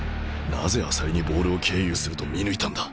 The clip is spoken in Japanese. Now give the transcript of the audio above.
なぜ朝利にボールを経由すると見抜いたんだ！？